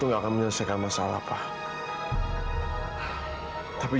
tanti gerek musicians masih ada yang bikin kwalitasih selama ini